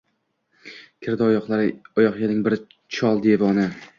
Kirdi oyoqyalang bir chol – devona.